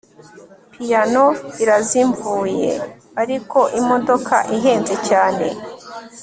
Piyano irazimvye ariko imodoka ihenze cyane